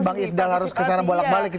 bang ifdal harus ke sana bolak balik